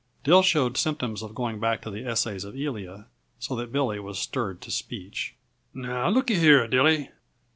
Dill showed symptoms of going back to "The Essays of Elia," so that Billy was stirred to speech. "Now, looky here, Dilly.